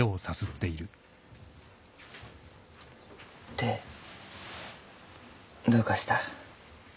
手どうかした？